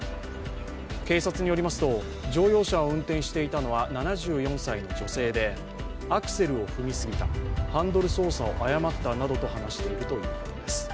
警察によりますと、乗用車を運転していたのは７４歳の女性でアクセルを踏みすぎた、ハンドル操作を誤ったなどと話しているということです。